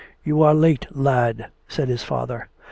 " You are late, lad," said his father.